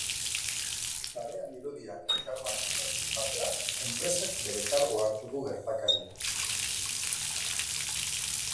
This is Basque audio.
Sarean irudiak elkarbanatzearekin batera, enpresak bere kargu hartu du gertakaria.